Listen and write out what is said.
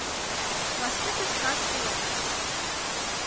Вашке тышкат шуыт.